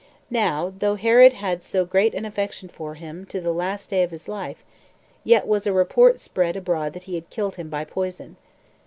Now though Herod had so great an affection for him to the last day of his life, yet was a report spread abroad that he had killed him by poison.